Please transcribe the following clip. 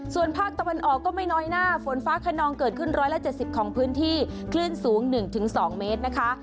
ส่วนภาคตะวันออกก็ไม่น้อยหน้าฝนฟ้าขนองเกิดขึ้น๑๗๐ของพื้นที่คลื่นสูง๑๒เมตรนะคะ